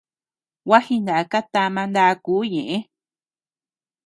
Gua jinaka tama ndakuu ñeʼe.